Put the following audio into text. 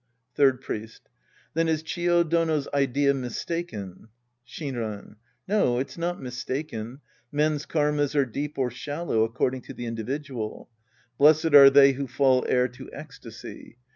Third Priest. Then is Chio Dono's idea mis taken ? Shinran. No, it's not mistaken. Men's karmas are deep or shallow according to the individual. Blessed are they who fall heir to ecstasy.